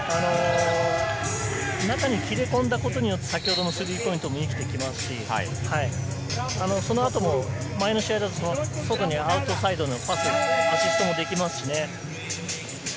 中に切れ込んだことによって、さっきのスリーポイントも生きていきますし、その後も、外のアウトサイドのパスもアシストできますしね。